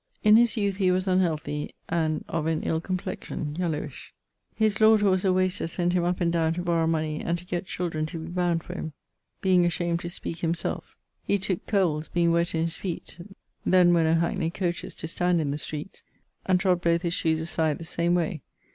_ In his youth he was unhealthy, and of an ill complexion (yellowish). His[CXXI.] lord, who was a waster, sent him up and downe to borrow money, and to gett gentlemen to be bound for him, being ashamed to speake him selfe: he tooke colds, being wett in his feet (then were no hackney coaches to stand in the streetes), and trod both his shoes aside the same way.